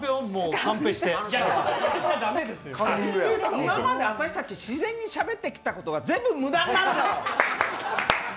今まで私たち、自然にしゃべってきたことが全部無駄になるだろう。